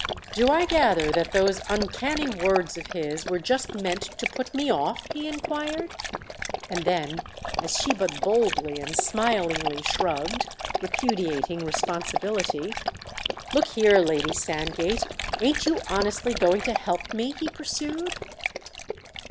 "Do I gather that those uncanny words of his were just meant to put me off?" he inquired. And then as she but boldly and smilingly shrugged, repudiating responsibility, "Look here, Lady Sandgate, ain't you honestly going to help me?" he pursued.